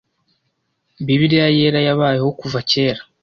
bibliya yera yabayeho kuva kera